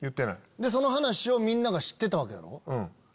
でその話をみんなが知ってたわけやろ。